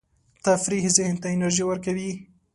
تفریح ذهن ته انرژي ورکوي.